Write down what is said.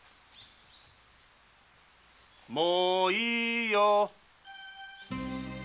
もういいよ！